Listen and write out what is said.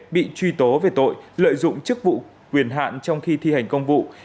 bị truy tố về tội lợi dụng chức vụ quyền hạn trong khi thi hành công vụ